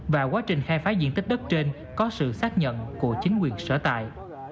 và quá trình khai phá diện tích đất trên có sự xác nhận của chính quyền sở tại